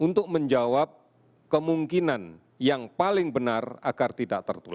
dengan ketinggalan coral bakunya yang test untung itu berinsta dari nilai kulkas eur